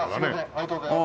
ありがとうございます。